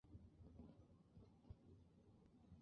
主要供除南航及其旗下航空公司外的国内航线使用。